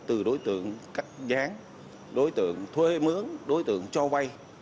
từ đối tượng cắt dán đối tượng thuê mướn đối tượng cho vay